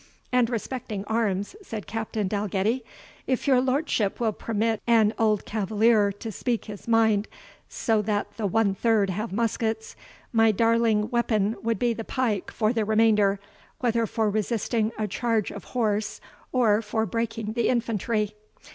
"And respecting arms," said Captain Dalgetty, "if your lordship will permit an old cavalier to speak his mind, so that the one third have muskets, my darling weapon would be the pike for the remainder, whether for resisting a charge of horse, or for breaking the infantry.